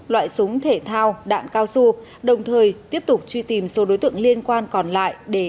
loại súng thể thao đạn cao su đồng thời tiếp tục truy tìm số đối tượng liên quan còn lại để